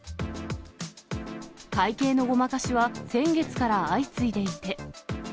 会計のごまかしは先月から相次いでいて。